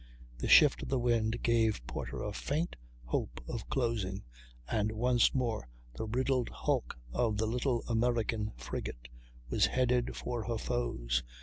The shift of the wind gave Porter a faint hope of closing; and once more the riddled hulk of the little American frigate was headed for her foes.